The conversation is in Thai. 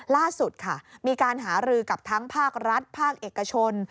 ล่าสุดค่ะมีการหารือกับทั้งภาครัฐภาคเอกชน